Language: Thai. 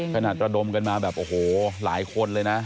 ระดมกันมาแบบโอ้โหหลายคนเลยนะ